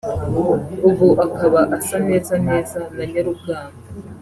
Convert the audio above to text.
ubu akaba asa neza neza na nyarubwana